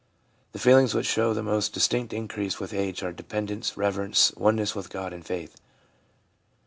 The feelings which show the most distinct increase with age are dependence, reverence, oneness with God, and faith.